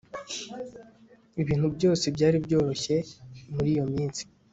ibintu byose byari byoroshye muri iyo minsi